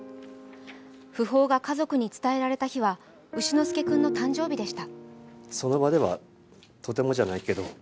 訃報が家族に伝えられた日は丑之助君の誕生日でした。